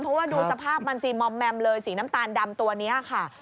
เพราะว่าดูสภาพมันสิมอมแมมเลยสีน้ำตาลดำตัวนี้ค่ะ